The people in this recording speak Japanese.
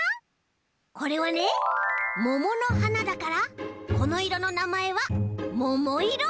これはねもものはなだからこのいろのなまえはももいろ。